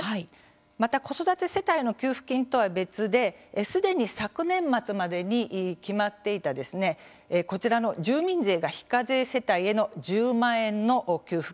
また、子育て世帯への給付金とは別ですでに昨年末までに決まっていたこちらの住民税が非課税世帯への１０万円の給付金ですね。